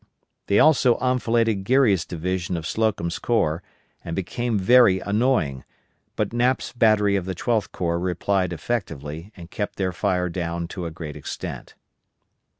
They also enfiladed Geary's division of Slocum's corps, and became very annoying, but Knap's battery of the Twelfth Corps replied effectively and kept their fire down to a great extent.